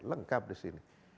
lengkap di sini